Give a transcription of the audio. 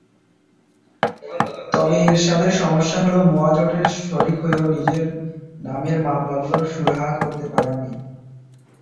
তবে এরশাদের সমস্যা হলো মহাজোটের শরিক হয়েও নিজের নামের মামলাগুলোর সুরাহা করতে পারেননি।